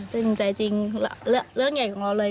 ซึ่งอาสาสมัครทุกคนนะครับก็จะได้เรียนรู้การใช้ชีวิตความเป็นอยู่